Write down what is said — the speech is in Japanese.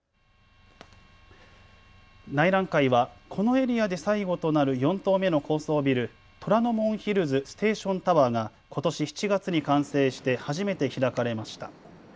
内覧会はこのエリアで最後となる４棟目の高層ビル、虎ノ門ヒルズステーションタワーがことし７月に完成して初めて開かれました。